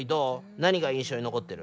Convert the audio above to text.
何が印象に残ってる？